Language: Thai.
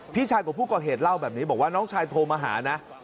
พี่ชายของผู้ก่อเหตุเล่าแบบนี้บอกว่าน้องชายโทรมาหานะ